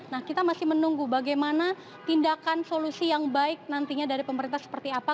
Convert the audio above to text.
nah kita masih menunggu bagaimana tindakan solusi yang baik nantinya dari pemerintah seperti apa